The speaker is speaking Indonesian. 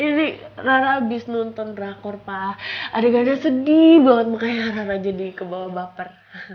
rara abis nonton drakor pak adegannya sedih banget makanya rara jadi kebawa baper